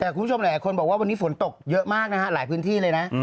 แต่คุณผู้ชมหลายคนบอกว่าวันนี้ฝนตกเยอะมากนะฮะหลายพื้นที่เลยนะ